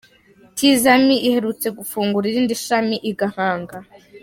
Tizama iherutse gufungura irindi shami i Gahanga.